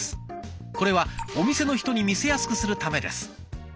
これはお店の人に見せやすくするためです。